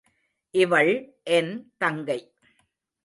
இவள் என் தங்கை.